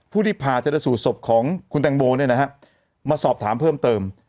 ผู้ที่พาเจตสูตรศพของคุณตังโมมาสอบถามเพิ่มเติม